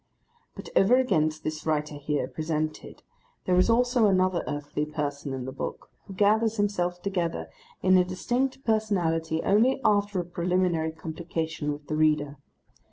But over against this writer here presented, there is also another earthly person in the book, who gathers himself together into a distinct personality only after a preliminary complication with the reader.